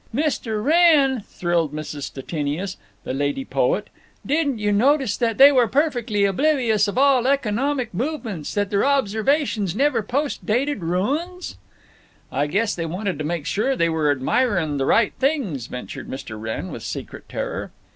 "Mr. Wr r renn," thrilled Mrs. Stettinius, the lady poet, "didn't you notice that they were perfectly oblivious of all economic movements; that their observations never post dated ruins?" "I guess they wanted to make sure they were admirin' the right things," ventured Mr. Wrenn, with secret terror.